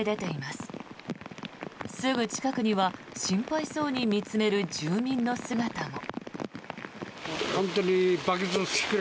すぐ近くには心配そうに見つめる住民の姿も。